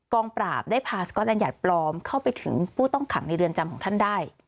งปราบได้พาสก๊อตอัญญัติปลอมเข้าไปถึงผู้ต้องขังในเรือนจำของท่านได้